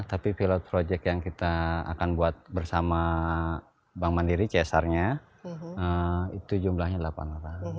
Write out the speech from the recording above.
tapi pilot project yang kita akan buat bersama bank mandiri csr nya itu jumlahnya delapan orang